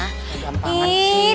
gampang banget sih